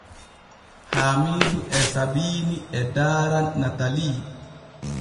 Haamiidu e Sabiini e daara Natalii.